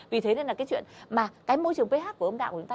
vì thế nên là cái chuyện mà cái môi trường ph của âm đạo của chúng ta